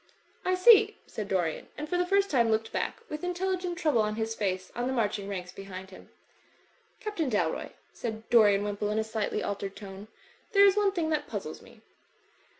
'1 see," said Dorian; and for the first time looked back with intelligent trouble on his face, on the march ing ranks behind him. "Captain Dalroy," said Dorian Wimpole, in a slight ly altered tone, "there is one thing that puzzles me.